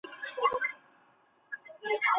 复眼光滑或具毛。